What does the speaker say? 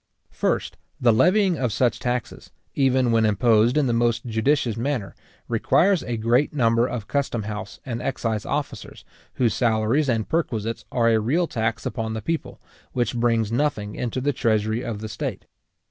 First, the levying of such taxes, even when imposed in the most judicious manner, requires a great number of custom house and excise officers, whose salaries and perquisites are a real tax upon the people, which brings nothing into the treasury of the state.